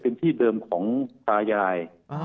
เป็นที่เดิมของตายาย